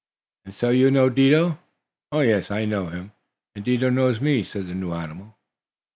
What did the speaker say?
"And so you know Dido?" "Oh, yes, I know him, and Dido knows me," said the new animal.